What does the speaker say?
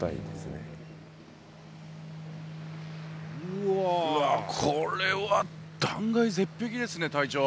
うわっこれは断崖絶壁ですね隊長。